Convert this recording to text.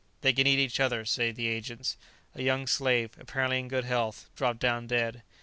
"They can eat each other," say the agents. A young slave, apparently in good health, dropped down dead.